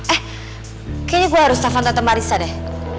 eh kayaknya gue harus telfon tante marissa deh